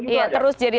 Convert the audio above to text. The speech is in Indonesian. iya terus jadi